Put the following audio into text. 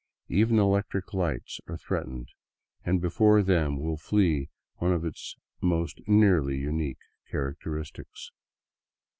Even electric lights are threatened, and be fore them will flee one of its most nearly unique characteristics.